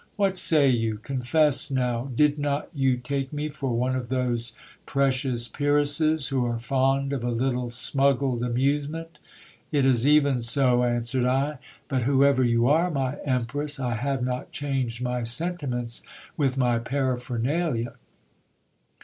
What say you ? confess now, did not you take me for one of those precious peeresses who are fond of a little smuggled amusement ? It is even so, answered I, but whoever you are, my empress, I have not changed my sentiments with my paraphernalia.